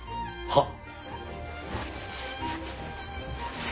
はっ。